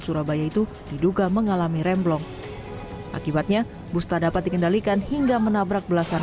surabaya itu diduga mengalami remblong akibatnya bus tak dapat dikendalikan hingga menabrak belasan